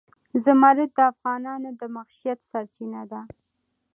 زمرد د افغانانو د معیشت سرچینه ده.